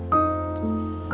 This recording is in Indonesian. kau mau siapa